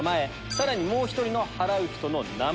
さらにもう１人の払う人の名前。